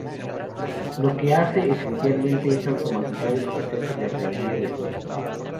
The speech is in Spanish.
Lo que hace esencialmente es automatizar el proceso de reenvío de puertos.